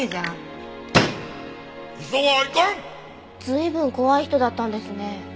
随分怖い人だったんですね。